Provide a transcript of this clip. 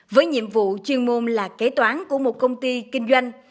với nhiệm vụ chuyên môn là kế toán của một công ty kinh doanh